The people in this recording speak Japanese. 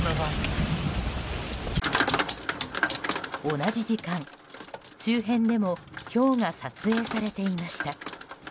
同じ時間、周辺でもひょうが撮影されていました。